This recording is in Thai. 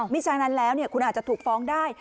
ฉะนั้นแล้วคุณอาจจะถูกฟ้องได้